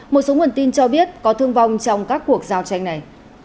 một số nguồn tin cho biết có thương vong trong các cuộc giao tranh này